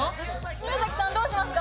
宮崎さんどうしますか？